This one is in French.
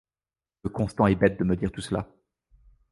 Que Constant est bête de me dire tout cela !